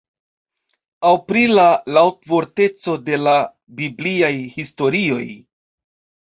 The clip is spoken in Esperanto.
Aŭ pri la laŭvorteco de la bibliaj historioj.